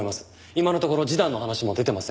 今のところ示談の話も出てません。